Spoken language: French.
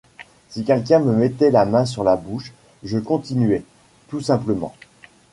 Si quelqu’un me mettait la main sur la bouche, je continuais, tout simplement.